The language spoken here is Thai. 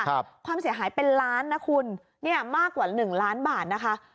ความเสียหายเป็นล้านมากกว่า๑ล้านบาทนะคะ